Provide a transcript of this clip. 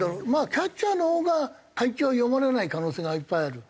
キャッチャーのほうが配球は読まれない可能性がいっぱいある。